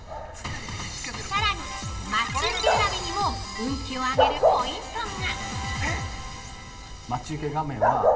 ◆さらに、待ち受け選びにも運気を上げるポイントが！